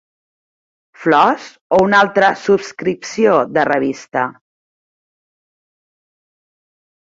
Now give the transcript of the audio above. Flors? O una altra subscripció de revista?